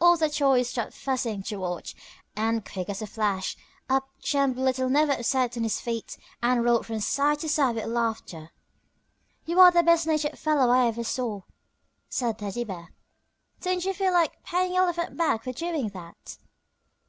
All the toys stopped fussing to watch, and quick as a flash up jumped Little Never upset on his feet and rolled from side to side with laughter. "You are the best natured fellow I ever saw," said Teddy Bear. "Don't you feel like paying Elephant back for doing that?"